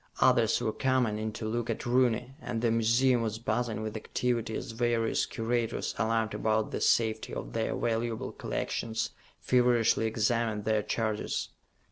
Others were coming in to look at Rooney, and the museum was buzzing with activity as various curators, alarmed about the safety of their valuable collections, feverishly examined their charges.